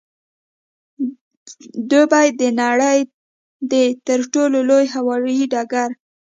دوبۍ د نړۍ د تر ټولو لوی هوايي ډګر